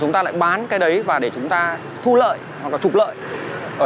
chúng ta lại bán cái đấy và để chúng ta thu lợi hoặc là trục lợi